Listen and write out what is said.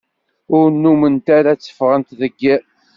Ur nnument ara tteffɣent deg iḍ.